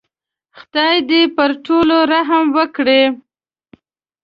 خدای دې پر ټولو رحم وکړي.